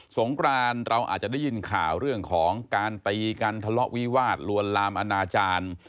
งกรานเราอาจจะได้ยินข่าวเรื่องของการตีกันทะเลาะวิวาสลวนลามอนาจารย์